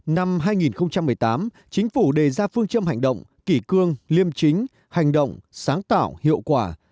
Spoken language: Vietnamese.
năm hai nghìn một mươi tám chính phủ đề ra phương châm hành động kỷ cương liêm chính hành động sáng tạo hiệu quả